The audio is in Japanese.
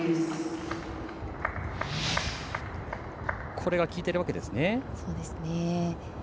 これが効いてるわけですね。